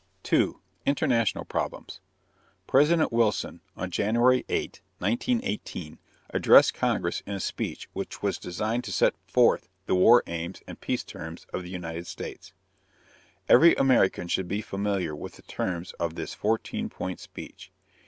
II. INTERNATIONAL PROBLEMS President Wilson, on January 8, 1918, addressed Congress in a speech which was designed to set forth the war aims and peace terms of the United States. Every American should be familiar with the terms of this "fourteen point speech."